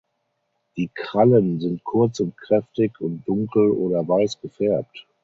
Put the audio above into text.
Die Krallen sind kurz und kräftig und dunkel oder weiß gefärbt.